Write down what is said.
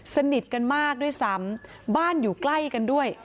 สนิทกันมากด้วยซ้ำบ้านอยู่ใกล้กันด้วย